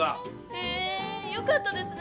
へえよかったですね。